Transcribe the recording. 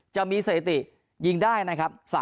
จะมีสหริตียิงได้นะครับ